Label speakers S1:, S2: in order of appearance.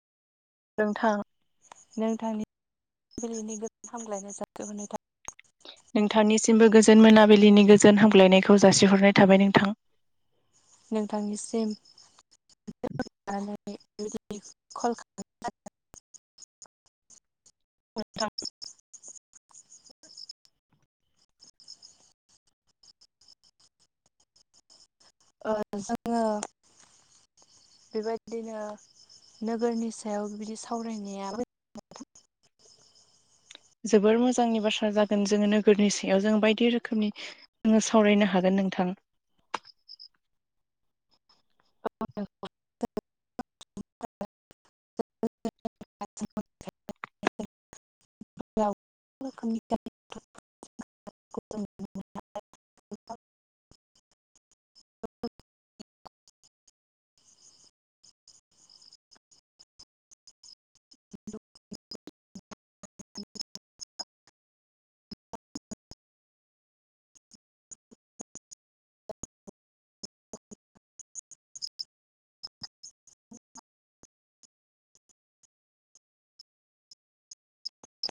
S1: नोंथां
S2: नोंथांनि फुंबिलिनि गोजोन हाम्लायनाय जासिहरनाय था
S1: नोंथांनिसिमबो गोजोन मोनाबिलिनि गोजोन हामग्लायनायखौ जासिहरनाय थाबाय नोंथां।
S2: नोंथांनिसिम [unintelligible] कल [unintelligible] खालामनाय
S1: औ नोंथां
S2: [inaudible] ओ जोङो बेबायदिदिनो नोगोरनि सायाव बिदि सावरायनाया
S1: जोबोर मोजांनि बाथ्रा जागोन जोङो नोगोरनि सायाव जों बायदि रोखोमनि आङो सावरायनो हागोन नोंथां।
S2: [inaudible] [inaudible]